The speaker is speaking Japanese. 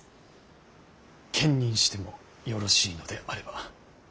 兼任してもよろしいのであれば。